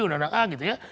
undang undang a gitu ya